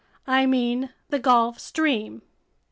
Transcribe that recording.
I mean the Gulf Stream.